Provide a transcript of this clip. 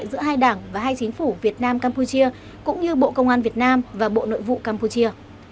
giữa hai đảng và hai chính phủ việt nam campuchia cũng như bộ công an việt nam và bộ nội vụ campuchia